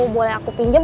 boleh aku pinjam